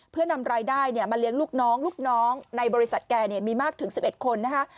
เพื่อนำรายได้มาเลี้ยงลูกน้องลูกน้องในบริษัทแกมีมากถึง๑๑คนนะคะ